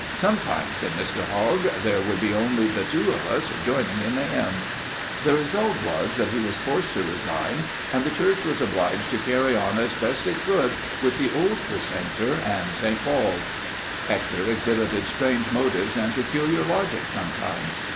'Sometimes,' said Mr. Hogg, 'there would be only the two of us joining in the hymn.' The result was that he was forced to resign, and the church was obliged to carry on as best it could with the old precentor and 'St. Paul's.' "Hector exhibited strange motives and peculiar logic sometimes.